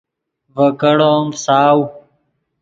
ڤے کیڑو ام فساؤ